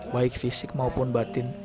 baik fisik dan juga kesehatan